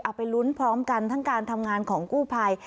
ไปลุ้นพร้อมกันทั้งการทำงานของกู้ภัย